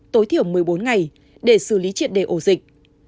tối thiểu một mươi bốn ngày để xử lý triệt đề ổ dịch